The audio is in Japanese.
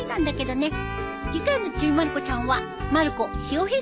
次回の『ちびまる子ちゃん』は。